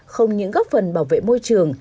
không những góp phần bảo vệ môi trường